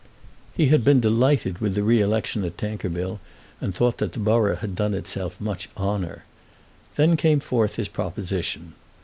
He had been delighted with the re election at Tankerville, and thought that the borough had done itself much honour. Then came forth his proposition.